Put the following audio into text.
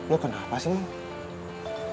lu kenapa sih man